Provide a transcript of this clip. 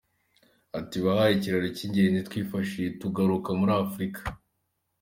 Ati "Wabaye ikiraro cy’ingenzi twifashishije tugarukaa muri Afurika.